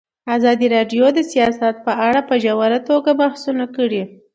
ازادي راډیو د سیاست په اړه په ژوره توګه بحثونه کړي.